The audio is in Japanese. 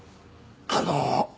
あの。